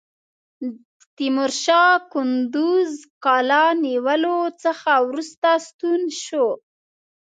تیمورشاه کندوز د قلا نیولو څخه وروسته ستون شو.